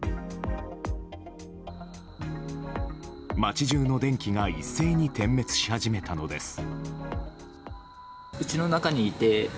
街中の電気が一斉に点滅し始めたのです。